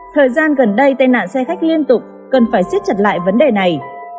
thời gian gần đây tai nạn xe khách liên tục cần phải siết chặt lại vấn đề này